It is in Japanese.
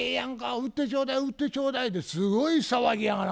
売ってちょうだい売ってちょうだい」ってすごい騒ぎやがな